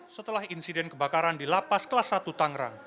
setelah insiden kebakaran di lapas kelas satu tangerang